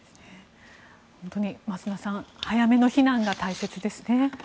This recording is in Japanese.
本当に増田さん早めの避難が大切ですね。